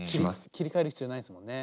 切り替える必要ないですもんね。